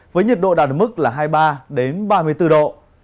với nhiệt độ đạt mức là hai mươi ba đến ba mươi bốn độ